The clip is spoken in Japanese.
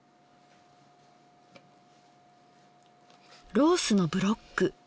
ロースのブロック。